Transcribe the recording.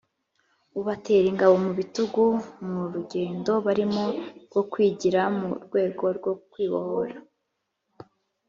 ubatera ingabo mu bitugu mu rugendo barimo rwo kwigira mu rwego rwo kwibohora